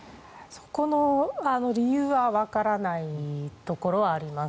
そこの理由はわからないところはあります。